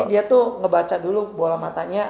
dia tuh ngebaca dulu bola matanya